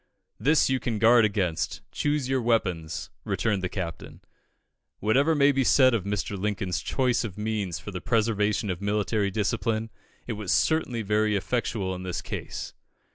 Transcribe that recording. "This you can guard against; choose your weapons," returned the Captain. Whatever may be said of Mr. Lincoln's choice of means for the preservation of military discipline, it was certainly very effectual in this case.